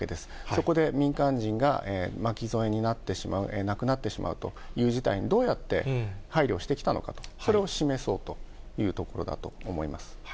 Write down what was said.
そこで民間人が巻き添えになってしまう、亡くなってしまうという事態にどうやって配慮してきたのかと、それを示そうというところだと思います。